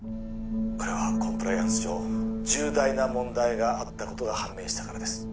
これはコンプライアンス上重大な問題があったことが判明したからです